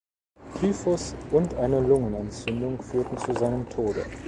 Typhus und eine Lungenentzündung führten zu seinem Tode.